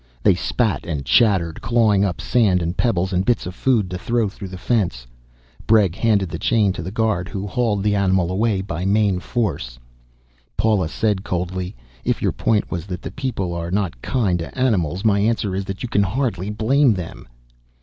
They spat and chattered, clawing up sand and pebbles and bits of food to throw through the fence. Bregg handed the chain to the guard, who hauled the animal away by main force. Paula said coldly, "If your point was that the people are not kind to animals, my answer is that you can hardly blame them."